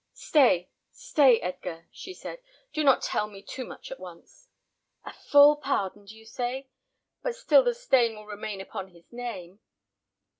"Stay, stay, Edgar," she said, "do not tell me too much at once. A full pardon, do you say? But still the stain will remain upon his name."